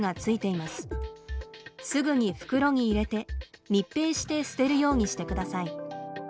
すぐに袋に入れて密閉して捨てるようにしてください。